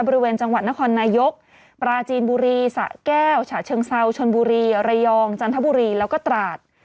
บริเวณจังหวัดนครนายกปราจีนบุรีสะแก้วฉะเชิงเซาชนบุรีระยองจันทบุรีแล้วก็ตราด